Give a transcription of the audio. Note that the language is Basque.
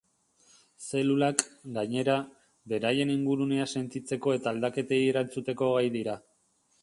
Zelulak, gainera, beraien ingurunea sentitzeko eta aldaketei erantzuteko gai dira.